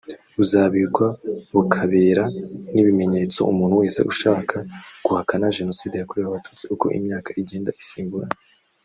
buzabikwa bukabera n’ibimenyetso umuntu wese uzashaka guhakana Jenoside yakorewe Abatutsi uko imyaka igenda isimburana